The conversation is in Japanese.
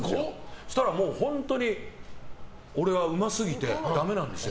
そうしたら本当に俺はうますぎてダメなんですよ。